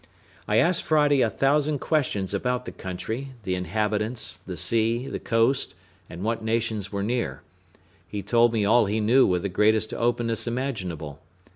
I asked Friday a thousand questions about the country, the inhabitants, the sea, the coast, and what nations were near; he told me all he knew with the greatest openness imaginable.